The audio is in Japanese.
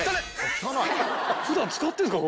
普段使ってるんですか？